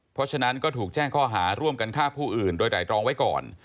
เพราะฉะนั้นก็ถูกแจ้งข้อหาร่วมกันฆ่าผู้อื่นโดยไตรรองไว้ก่อน